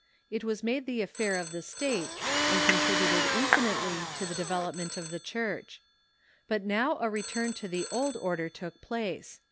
It was made the affair of the State, and con tributed infinitely to the development of the Church. But now a return to the old order took place.